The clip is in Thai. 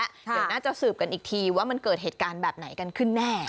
เดี๋ยวน่าจะสืบกันอีกทีว่ามันเกิดเหตุการณ์แบบไหนกันขึ้นแน่